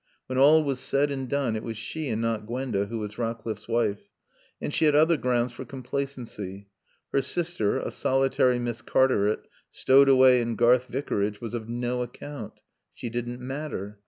When all was said and done, it was she and not Gwenda who was Rowcliffe's wife. And she had other grounds for complacency. Her sister, a solitary Miss Cartaret, stowed away in Garth Vicarage, was of no account. She didn't matter.